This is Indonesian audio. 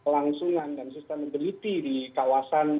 pelangsungan dan sistem debiti di kawasan